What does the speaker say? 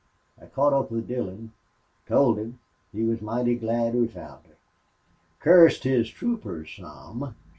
I caught up with Dillon. Told him. He was mighty glad we found her. Cussed his troopers some.